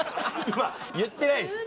今言ってないです